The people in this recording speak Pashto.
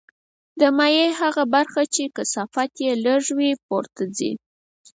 د مایع هغه برخه چې کثافت یې لږ وي پورته ځي.